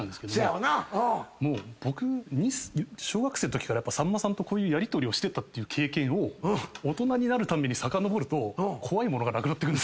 僕小学生のときからさんまさんとこういうやりとりをしてたって経験を大人になるたんびにさかのぼると怖いものがなくなってくる。